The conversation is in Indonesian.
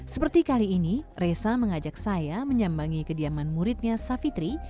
seperti kali ini resa mengajak saya menyambangi kediaman muridnya savitri